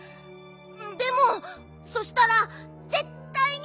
でもそしたらぜったいにさがす！